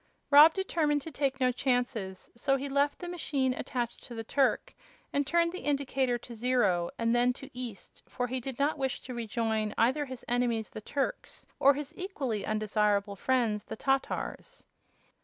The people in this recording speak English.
Rob determined to take no chances, so he left the machine attached to the Turk and turned the indicator to zero and then to "East," for he did not wish to rejoin either his enemies the Turks or his equally undesirable friends the Tatars.